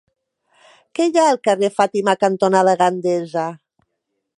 Què hi ha al carrer Fàtima cantonada Gandesa?